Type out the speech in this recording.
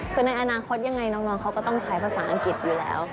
คือในอนาคตยังไงน้องเขาก็ต้องใช้ภาษาอังกฤษอยู่แล้ว